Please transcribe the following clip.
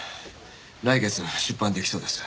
来月出版できそうです。